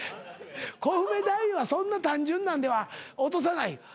コウメ太夫はそんな単純なんでは落とさない。